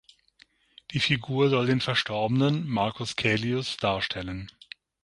Die Figur soll den Verstorbenen, Marcus Caelius, darstellen.